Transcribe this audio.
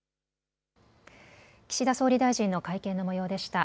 岸田総理大臣の会見のもようでした。